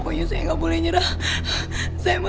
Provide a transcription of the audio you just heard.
gua juga sudah berserang di amerika